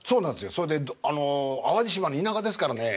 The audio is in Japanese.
それであの淡路島の田舎ですからね。